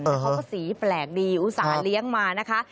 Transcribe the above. แต่เขาก็สีแปลกดีอุตส่าห์เลี้ยงมานะคะ